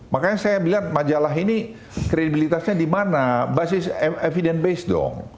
makanya saya bilang majalah ini kredibilitasnya di mana basis evidence base dong